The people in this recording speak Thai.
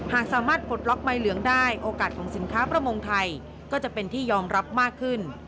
หากสามารถปลดล็อกใบเหลืองได้โอกาสของสินค้าประมงไทยก็จะเป็นที่ยอมรับมากขึ้น